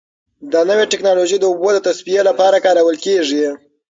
دا نوې ټیکنالوژي د اوبو د تصفیې لپاره کارول کیږي.